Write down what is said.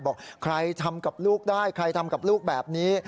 บอกใครทำกับลูกได้ใครทำกับลูกแบบนี้